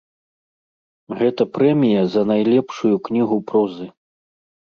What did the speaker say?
Гэта прэмія за найлепшую кнігу прозы.